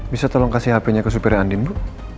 bisa tolong kasih hp nya ke supir andin bu